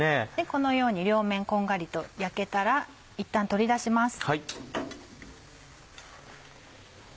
このように両面こんがりと焼けたらいったん取り出します。